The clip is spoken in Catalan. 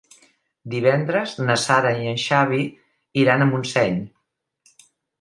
Divendres na Sara i en Xavi iran a Montseny.